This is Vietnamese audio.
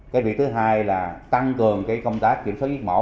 cái việc thứ hai là tăng cường công tác kiểm soát giết mổ